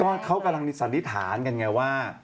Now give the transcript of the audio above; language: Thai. ก็เขากำลังสันนิษฐานกันไงว่า